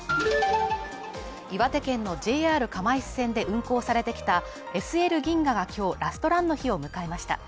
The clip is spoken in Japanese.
岩手県のＪＲ釜石線で運行されてきたＳＬ銀河が今日、ラストランの日を迎えました。